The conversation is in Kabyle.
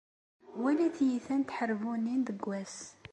Wala tiyita n tḥerbunin deg wass.